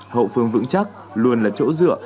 hậu phương vững chắc